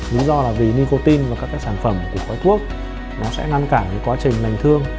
lý do là vì nicotine và các cái sản phẩm của khói thuốc nó sẽ ngăn cản quá trình lành thương